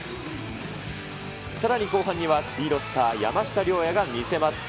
さらに後半には、スピードスター、山下諒也が見せます。